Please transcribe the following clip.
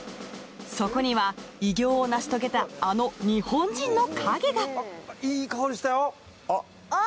そこには偉業を成し遂げたあの日本人の影があっ！